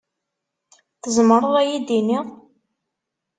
Tzemreḍ ad yi-d-tiniḍ?